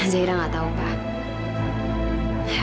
zaira gak tau papa